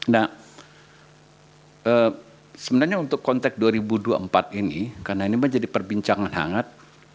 nah sebenarnya untuk konteks dua ribu dua puluh empat ini karena ini menjadi perbincangan hangat